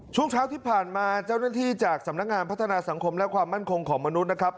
ช่วงเช้าที่ผ่านมาเจ้าหน้าที่จากสำนักงานพัฒนาสังคมและความมั่นคงของมนุษย์นะครับ